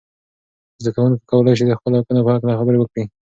زده کوونکي کولای سي د خپلو حقونو په هکله خبرې وکړي.